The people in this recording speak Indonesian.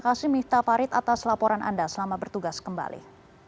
kasih atas laporan anda selama bertugas kembali